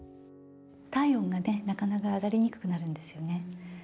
体温がね、なかなか上がりにくくなるんですよね。